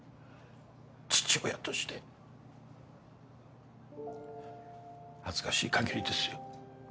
父親として恥ずかしいかぎりですよ